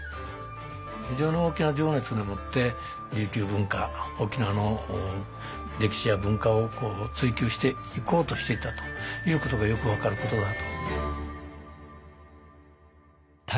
非常に大きな情熱でもって琉球文化沖縄の歴史や文化を追究していこうとしていたということがよく分かることだと。